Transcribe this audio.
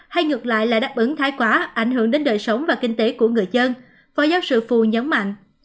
hay ngược lại là đáp ứng thái quá ảnh hưởng đến đời sống và kinh tế của người dân phó giáo sư phù nhấn mạnh